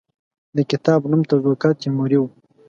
د کتاب نوم تزوکات تیموري وو.